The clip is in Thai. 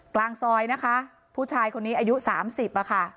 กลางซอยผู้ชายคนนี้อายุ๓๐ค่ะ